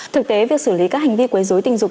thực tế việc xử lý các hành vi quấy dối tình dục